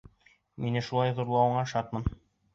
Мине шулай ҙурлауыңа шатмын.